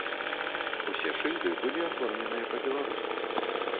Усе шыльды былі аформленыя па-беларуску.